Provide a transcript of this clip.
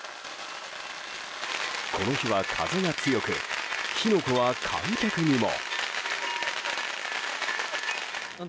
この日は風が強く火の粉は観客にも。